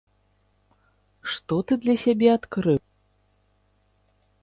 Што ты для сябе адкрыў?